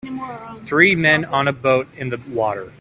Three men on a boat in the water